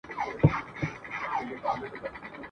شپه که هر څومره اوږده سي عاقبت به سبا کېږي ..